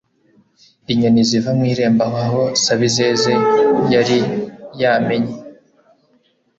inyoni ziva mu irembo, ahantu sabizeze yari yamenye